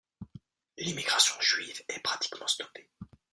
L’immigration juive est pratiquement stoppée.